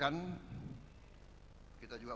seperti yang di sini